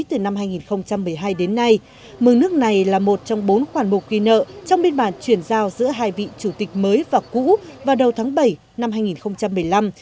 từ năm hai nghìn một mươi hai đến nay mừng nước này là một trong bốn khoản bục ghi nợ trong biên bản chuyển giao giữa hai vị chủ tịch mới và cũ vào đầu tháng bảy năm hai nghìn một mươi năm